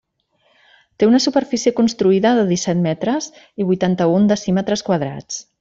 Té una superfície construïda de disset metres i vuitanta-un decímetres quadrats.